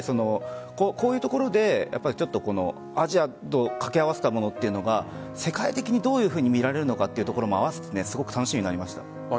こういうところでアジアとかけあわせたものというのが世界的にどういうものが見られるのかというところも併せて楽しみになりました。